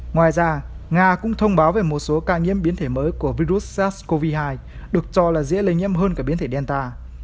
ngoài ra nga cũng thông báo về một số ca nhiễm biến thể mới của virus sars cov hai được cho là dễ lây nhiễm hơn cả biến thể delta